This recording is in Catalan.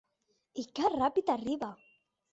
I que ràpid arriba!